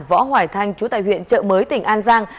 võ hoài thanh trú tại huyện chợ mới tỉnh an giang